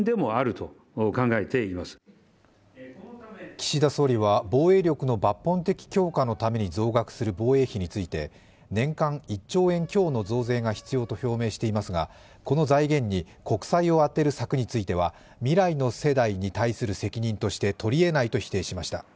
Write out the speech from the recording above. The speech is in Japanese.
岸田総理は防衛力の抜本的強化のために増額する防衛費について年間１兆円強の増税が必要と表明していますが、この財源に国債を充てる策については未来の世代に対する責任として取りえないと否定しました。